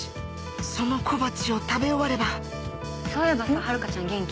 その小鉢を食べ終わればそういえばさ遥ちゃん元気？